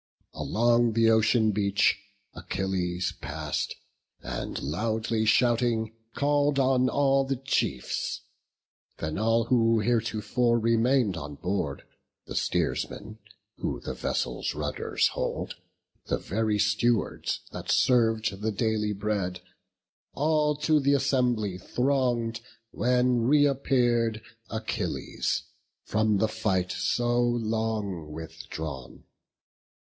Along the ocean beach Achilles pass'd, And loudly shouting, call'd on all the chiefs; Then all who heretofore remain'd on board, The steersmen, who the vessels' rudders hold, The very stewards that serv'd the daily bread, All to th' assembly throng'd, when reappear'd Achilles, from the fight so long withdrawn.